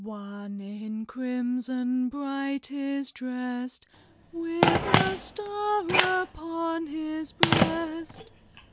"One in crimson bright is drest, With a star upon his breast.